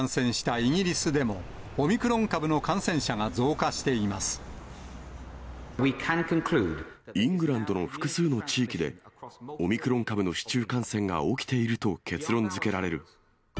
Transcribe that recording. イングランドの複数の地域で、オミクロン株の市中感染が起きていると結論づけられる。